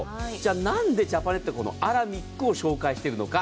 何でジャパネットアラミックを紹介しているのか。